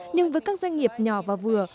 nhưng với các doanh nghiệp nhỏ và vừa